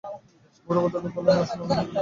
বুড়ো ভদ্রলোক বললেন, আসুন, আমি নীলুর বাবা।